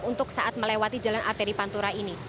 untuk saat melewati jalan arteri pantura ini